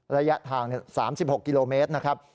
ระยะทาง๓๖กิโลเมตรนะครับ